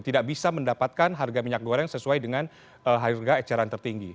tidak bisa mendapatkan harga minyak goreng sesuai dengan harga eceran tertinggi